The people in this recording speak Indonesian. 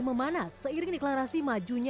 saya erlangga harta teman